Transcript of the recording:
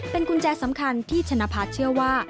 เป็นกุญแจสำคัญที่ชนะพัฒน์เชื่อว่า